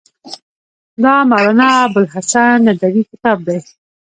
دا مولانا ابوالحسن ندوي کتاب دی.